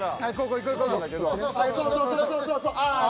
はいそうそうそうそう。